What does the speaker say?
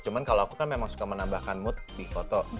cuma kalau aku kan memang suka menambahkan mood di foto